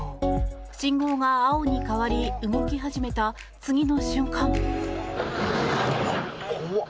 信号が青に変わり、動き始めた次の瞬間。